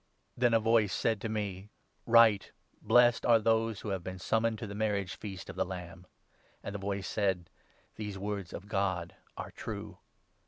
519 Then a voice said to me 'Write —" Blessed are those who 9 have been summoned to the marriage feast of the Lamb.'" And the voice said —' These words of God are true.'